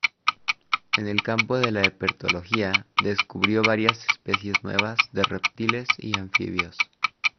En el campo de la herpetología describió varias especies nuevas de reptiles y anfibios.